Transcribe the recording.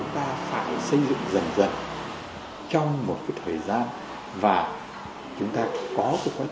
chúng ta phải xây dựng dần dần trong một thời gian và chúng ta có